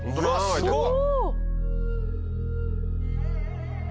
すごい！